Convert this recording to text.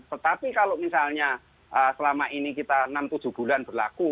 tetapi kalau misalnya selama ini kita enam tujuh bulan berlaku